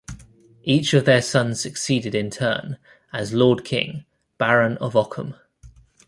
Each of their sons succeeded in turn as Lord King, Baron of Ockham.